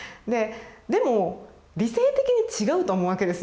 でも理性的に違うと思うわけですよ。